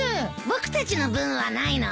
僕たちの分はないの？